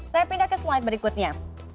saya pindah ke slide berikutnya